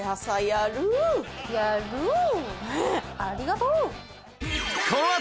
ありがとう！